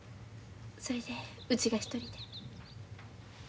それでうちが一人で。